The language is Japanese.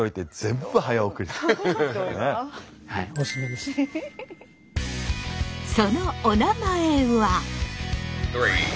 まさにそのおなまえは。